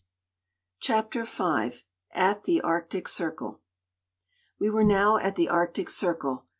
CHAPTER V AT THE ARCTIC CIRCLE. We were now at the Arctic Circle.